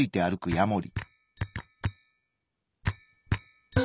ヤモリ。